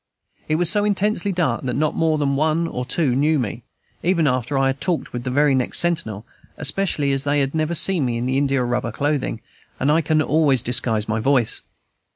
It was so intensely dark that not more than one or two knew me, even after I had talked with the very next sentinel, especially as they had never seen me in India rubber clothing, and I can always disguise my voice.